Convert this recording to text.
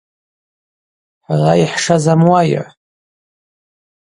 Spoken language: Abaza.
Хӏара йхӏша замуайа?